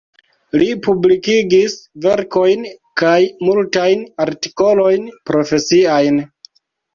Li publikigis verkojn kaj multajn artikolojn profesiajn.